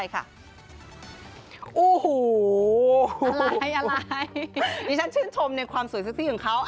อีชะชื่นชมในความสวยเซ็กซี่ของเขา